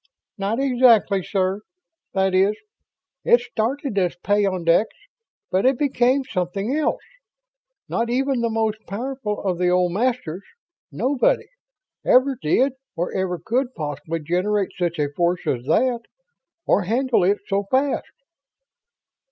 "Not exactly, sir. That is, it started as peyondix. But it became something else. Not even the most powerful of the old Masters nobody ever did or ever could possibly generate such a force as that. Or handle it so fast."